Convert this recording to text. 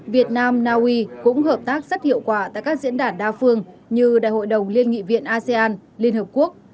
việt nam naui cũng hợp tác rất hiệu quả tại các diễn đàn đa phương như đại hội đồng liên nghị viện asean liên hợp quốc